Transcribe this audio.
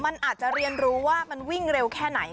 มันอาจจะเรียนรู้ว่ามันวิ่งเร็วแค่ไหน